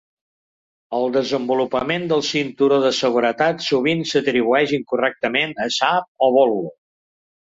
El desenvolupament del cinturó de seguretat sovint s'atribueix incorrectament a Saab o Volvo.